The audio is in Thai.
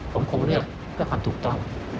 ผมคงเลือกเพื่อความถูกต้อง